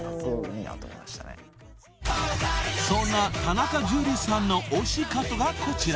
［そんな田中樹さんの推しカットがこちら］